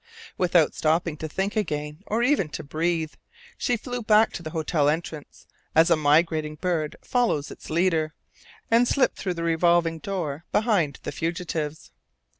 Without stopping to think again, or even to breathe, she flew back to the hotel entrance, as a migrating bird follows its leader, and slipped through the revolving door behind the fugitives.